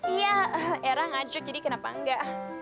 iya era ngajuk jadi kenapa enggak